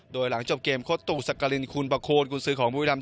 โดยหลังจบเกมโคตุสักกรินคุณประโคนกุญซื้อของบุรีรำ